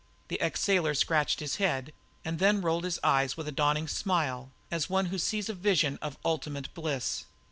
The ex sailor scratched his head and then rolled his eyes up with a dawning smile, as one who sees a vision of ultimate bliss.